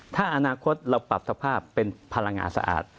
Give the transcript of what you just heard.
ถ้าอนาคตเราปรับสภาพเป็นพลังงานสะอาด